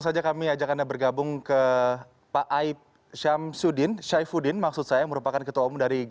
selamat pagi selamat pagi assalamualaikum wr wb